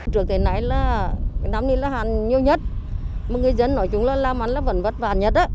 trước thế này là năm nay là hạn nhiều nhất mà người dân nói chúng là làm ăn là vẫn vất vả nhất á